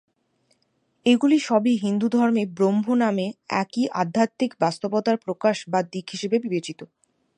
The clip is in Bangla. এগুলি সবই হিন্দুধর্মে ব্রহ্ম নামে একই আধ্যাত্মিক বাস্তবতার প্রকাশ বা দিক হিসেবে বিবেচিত।